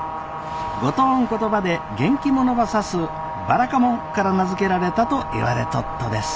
五島ん言葉で元気者ば指すばらかもんから名付けられたといわれとっとです。